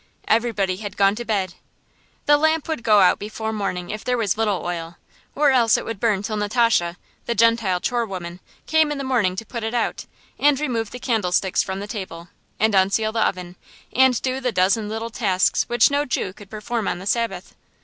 Everybody had gone to bed. The lamp would go out before morning if there was little oil; or else it would burn till Natasha, the Gentile chorewoman, came in the morning to put it out, and remove the candlesticks from the table, and unseal the oven, and do the dozen little tasks which no Jew could perform on the Sabbath.